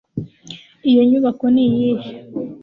iyo nyubako niyihe